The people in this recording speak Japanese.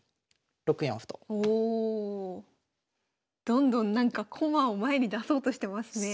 どんどんなんか駒を前に出そうとしてますね。